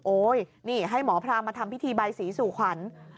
นี่ให้หมอพรามมาทำพิธีใบสีสู่ขวัญ